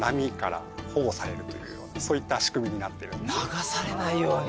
流されないように。